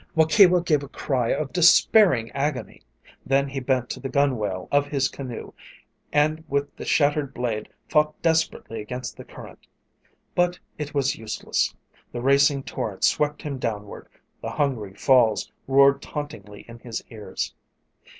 Waukewa gave a cry of despairing agony. Then he bent to the gunwale of his canoe and with the shattered blade fought desperately against the current. But it was useless. The racing torrent swept him downward; the hungry falls roared tauntingly in his ears.